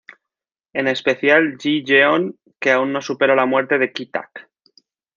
En especial Yi-yeon, que aún no supera la muerte de Ki-tak.